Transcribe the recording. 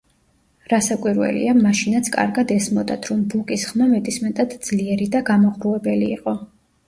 რასაკვირველია, მაშინაც კარგად ესმოდათ, რომ ბუკის ხმა მეტისმეტად ძლიერი და გამაყრუებელი იყო.